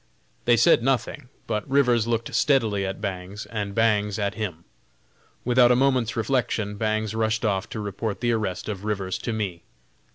They said nothing, but Rivers looked steadily at Bangs, and Bangs at him. Without a moment's reflection, Bangs rushed off to report the arrest of Rivers to me.